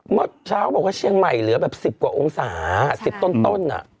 เมื่อเช้าเขาบอกว่าเชียงใหม่เหลือแบบ๑๐กว่าองศา๑๐ต้น